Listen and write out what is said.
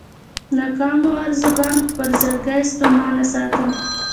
ناکامو ارزوګانو خپل زړګی ستومانه ساتم.